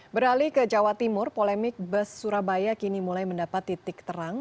beralih ke jawa timur polemik bus surabaya kini mulai mendapat titik terang